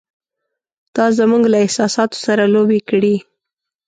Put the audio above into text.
“تا زموږ له احساساتو سره لوبې کړې!